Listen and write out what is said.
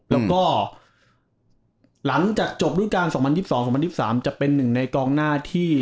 แล้วก็หลังจากจบรูปการณ์๒๐๒๒๒๐๒๓จะเป็นหนึ่งในกองหน้าที่